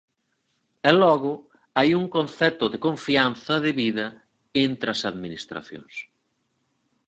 E logo hai un concepto de confianza debida entre as administracións.